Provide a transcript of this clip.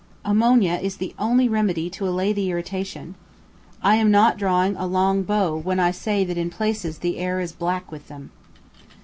Ammonia is; the only remedy to allay the irritation. I am not drawing a long bow when I say that in places the air is black with them.